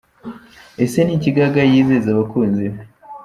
Ese niki Gaga yizeza abakunzi be?.